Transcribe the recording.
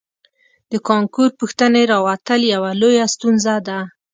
د کانکور پوښتنې راوتل یوه لویه ستونزه ده